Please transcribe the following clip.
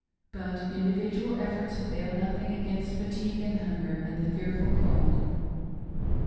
" But individual efforts availed nothing against fatigue and hunger, and the fearful cold.